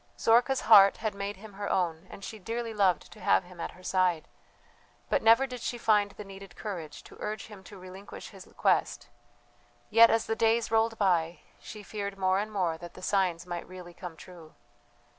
Zorka's heart had made him her own, and she dearly loved to have him at her side; but never did she find the needed courage to urge him to relinquish his quest; yet, as the days rolled by, she feared more and more that the signs might really come true.